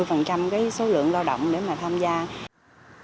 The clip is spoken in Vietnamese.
nói chung là giải quyết cũng được một số lớn về nguồn lao động tại địa phương của mình